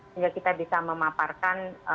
sehingga kita bisa memaparkan